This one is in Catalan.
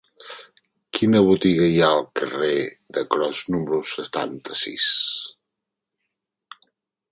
Quina botiga hi ha al carrer de Cros número setanta-sis?